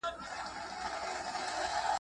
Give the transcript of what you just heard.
د یتیمانو پالنه زموږ فرهنګ دی.